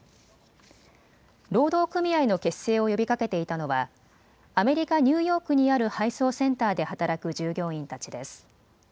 労働組合の結成を呼びかけていたのはアメリカ、ニューヨークにある配送センターで働く従業員たちです。